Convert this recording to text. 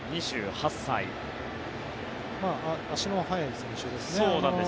足の速い選手ですね。